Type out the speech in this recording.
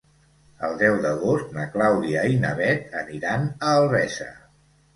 El deu d'agost na Clàudia i na Bet aniran a Albesa.